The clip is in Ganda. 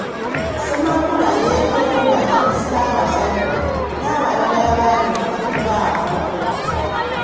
Ssemakalu yeetonda eri Ssabasajja n’abalala abaali mu kafubo ako.